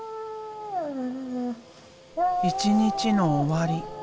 一日の終わり。